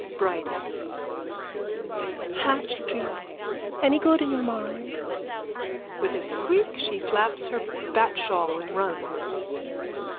_ BRIDIE: Hatch street. Any good in your mind? _(With a squeak she flaps her bat shawl and runs.